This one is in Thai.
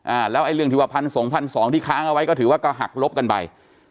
อ่าแล้วไอ้เรื่องที่ว่าพันสองพันสองที่ค้างเอาไว้ก็ถือว่าก็หักลบกันไป